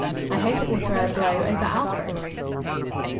I hope it will throw a glow over Alfred!